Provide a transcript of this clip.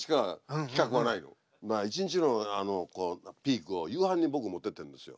まあ一日のピークを夕飯に僕持ってってるんですよ。